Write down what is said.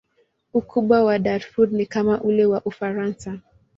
Ukubwa wa Darfur ni kama ule wa Ufaransa.